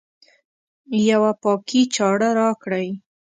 یوه پاکي چاړه راکړئ